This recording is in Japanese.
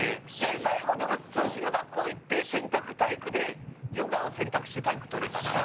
最後、でも、通信の学校行って選択体育で、ヨガを選択して体育、取れたっていう。